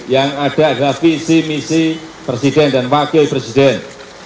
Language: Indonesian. yang ada adalah visi misi presiden dan wakil presiden